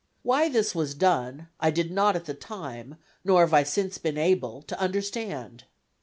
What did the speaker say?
Why this was done, I did not at the time, nor have I since been able to understand.